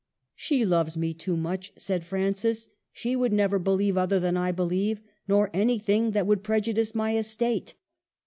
*' She loves me too much," said Francis. *' She would never believe other than I believe, nor anything that would prejudice my estate."